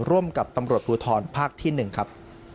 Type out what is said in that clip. ร่วมกับตำรวจภูทรภาคที่๑ครับ